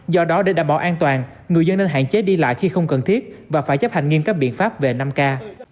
do đó để đảm bảo an toàn người dân nên hạn chế đi lại khi không cần thiết và phải chấp hành nghiêm các biện pháp về năm k